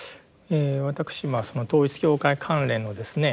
私その統一教会関連のですね